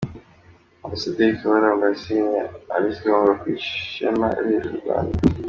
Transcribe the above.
Ambasaderi Karabaranga yashimye Alice Gahunga ku ishema yahesheje u Rwanda.